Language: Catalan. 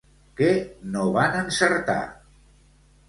Què no van encertar?